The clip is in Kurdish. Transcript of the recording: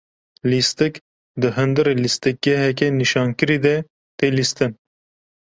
Lîstik di hundirê lîstikgeheke nîşankirî de, tê lîstin.